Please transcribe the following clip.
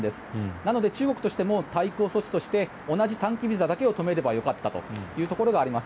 なので、中国としても対抗措置として同じ短期ビザだけを止めればよかったというところがあります。